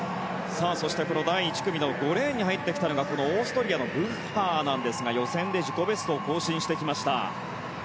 第１組の５レーンに入ってきたのがオーストリアのブッハーなんですが予選で自己ベストを更新してきました。